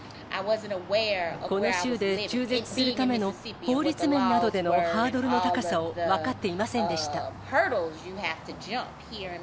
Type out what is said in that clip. この州で中絶するための法律面などでのハードルの高さを分かっていませんでした。